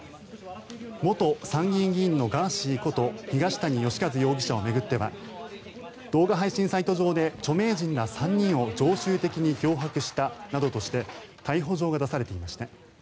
元参議院議員のガーシーこと東谷義和容疑者を巡っては動画配信サイト上で著名人ら３人を常習的に脅迫したなどとして逮捕状が出されていました。